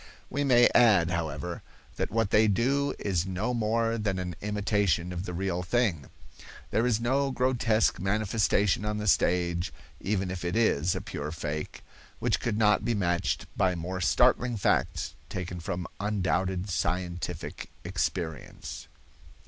We may add, however, that what they do is no more than an imitation of the real thing. There is no grotesque manifestation on the stage, even if it is a pure fake, which could not be matched by more startling facts taken from undoubted scientific experience.